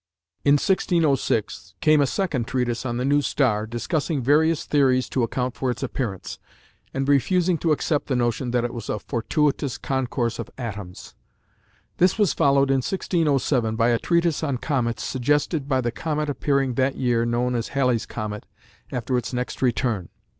In 1606 came a second treatise on the new star, discussing various theories to account for its appearance, and refusing to accept the notion that it was a "fortuitous concourse of atoms". This was followed in 1607 by a treatise on comets, suggested by the comet appearing that year, known as Halley's comet after its next return.